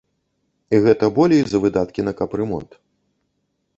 І гэта болей за выдаткі на капрамонт.